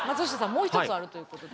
もう一つあるということで。